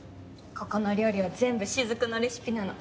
ここの料理は全部雫のレシピなの。